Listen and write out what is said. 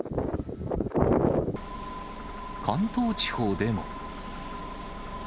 関東地方でも。